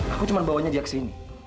aku cuma bawanya dia ke sini